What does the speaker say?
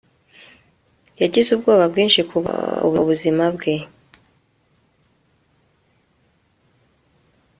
Yagize ubwoba bwinshi kuburyo yiruka ubuzima bwe